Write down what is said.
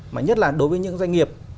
mà nhất là đối với những doanh nghiệp